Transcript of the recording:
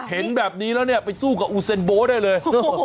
เห็นแบบนี้แล้วเนี้ยไปสู้กับอู้เซ็นโบ๊ชได้เลยโอ้โห